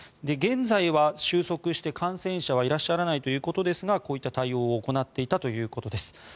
現在は収束して感染者はいらっしゃらないということですがこういった対応を行っていたということです。